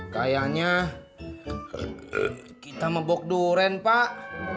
kayaknya kita membok durian pak